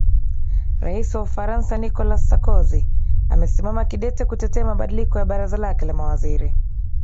rais wa ufaransa nicolas sarkozy amesimama kidete kutetea mabadiliko la baraza lake la mawaziri